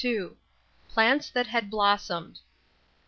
PLANTS THAT HAD BLOSSOMED.